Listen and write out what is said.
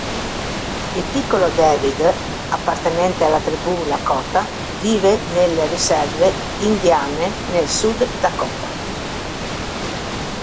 Il piccolo David appartenente alla tribù Lakota, vive nelle riserve indiane nel South Dakota.